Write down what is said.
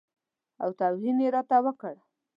او توهین یې راته وکړ.